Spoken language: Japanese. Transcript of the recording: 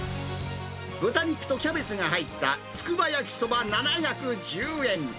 豚肉とキャベツが入ったつくば焼きそば７１０円。